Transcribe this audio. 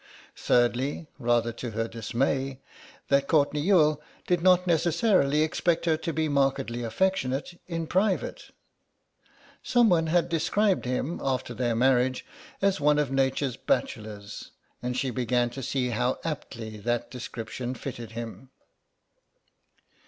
Thirdly, rather to her dismay, that Courtenay Youghal did not necessarily expect her to be markedly affectionate in private. Someone had described him, after their marriage, as one of Nature's bachelors, and she began to see how aptly the description fitted him.